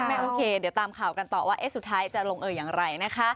ไม่โอเคเดี๋ยวตามข่าวกันต่อว่าสุดท้ายจะลงเอออย่างไรนะคะ